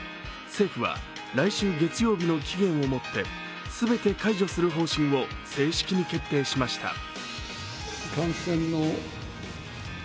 政府は来週月曜日の期限をもって全て解除する方針を正式に決定しました。